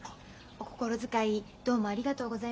お心遣いどうもありがとうございます。